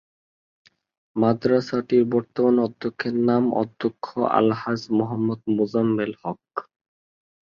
মাদ্রাসাটির বর্তমান অধ্যক্ষের নাম অধ্যক্ষ আলহাজ্ব মোহাম্মদ মোজাম্মেল হক।